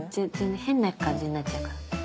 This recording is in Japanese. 変な感じになっちゃうから。